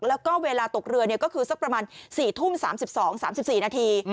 แล้วก็เวลาตกเรือก็คือสักประมาณ๔ทุ่ม๓๒๓๔นาที